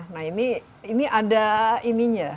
nah ini ada ininya